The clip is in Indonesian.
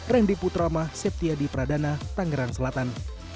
randy putrama septiadi pradana tangerang selatan